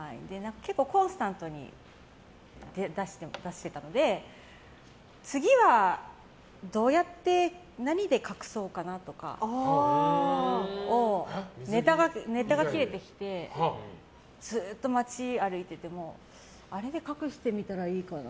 コンスタントに出していたので次はどうやって何で隠そうかなとかをネタが切れてきてずっと街歩いててもあれで隠してみたらいいかな？